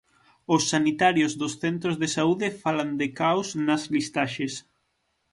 Os sanitarios dos centros de saúde falan de caos nas listaxes.